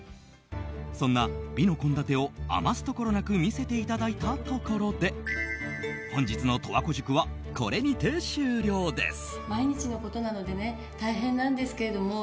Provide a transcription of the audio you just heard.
そんな美の献立を余すところなく見せていただいたところで本日の十和子塾はこれにて終了です。